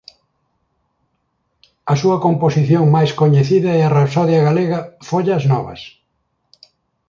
A súa composición máis coñecida é a rapsodia galega "Follas novas".